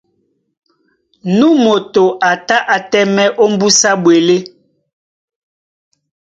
Nú moto a tá á tɛ́mɛ̀ ómbúsá ɓwelé.